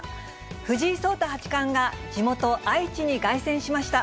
藤井聡太八冠が、地元、愛知に凱旋しました。